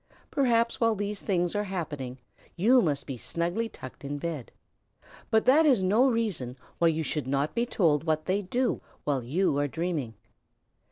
Perhaps while these things are happening you must be snugly tucked in bed. But that is no reason why you should not be told what they do while you are dreaming.